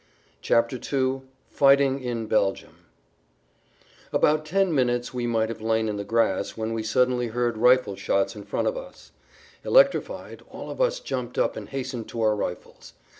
[Pg 8] II FIGHTING IN BELGIUM About ten minutes we might have lain in the grass when we suddenly heard rifle shots in front of us. Electrified, all of us jumped up and hastened to our rifles.